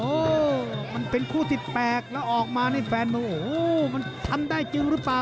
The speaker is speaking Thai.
โอ้โหมันเป็นคู่ที่๘แล้วออกมานี่แฟนบอกโอ้โหมันทำได้จริงหรือเปล่า